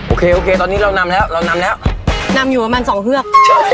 โอเคโอเคตอนนี้เรานำแล้วเรานำแล้วนำอยู่ประมาณสองเฮือก